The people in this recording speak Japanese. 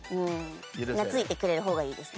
懐いてくれる方がいいです。